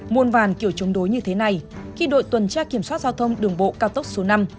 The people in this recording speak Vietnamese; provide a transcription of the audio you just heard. muôn vàn kiểu chống đối như thế này khi đội tuần tra kiểm soát giao thông đường bộ cao tốc số năm